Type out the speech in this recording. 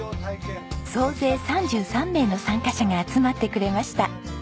総勢３３名の参加者が集まってくれました。